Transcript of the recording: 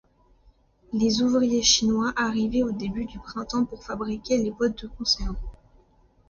Les ouvriers chinois arrivaient au début du printemps pour fabriquer les boîtes de conserve.